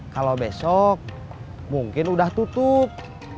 kalau besok mungkin udah tutup